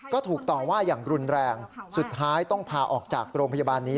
ก็ถูกต่อว่าอย่างรุนแรงสุดท้ายต้องพาออกจากโรงพยาบาลนี้